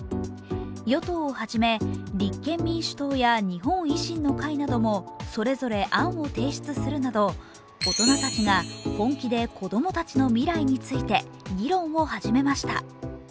与党をはじめ立憲民主党や日本維新の会などもそれぞれ案を提出するなど大人たちが本気で子供たちの未来について議論を始めました。